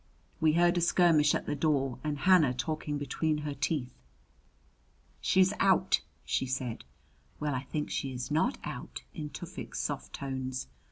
We heard a skirmish at the door and Hannah talking between her teeth. "She's out," she said. "Well, I think she is not out," in Tufik's soft tones.